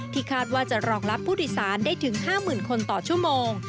คาดว่าจะรองรับผู้โดยสารได้ถึง๕๐๐๐คนต่อชั่วโมง